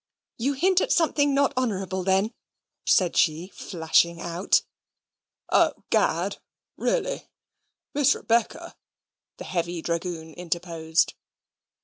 "You hint at something not honourable, then?" said she, flashing out. "O Gad really Miss Rebecca," the heavy dragoon interposed.